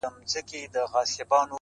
اشنـا په دې چــلو دي وپوهـېدم ـ